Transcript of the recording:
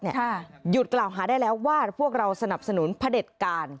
หยุดกล่าวหาได้แล้วว่าพวกเราสนับสนุนพระเด็จการ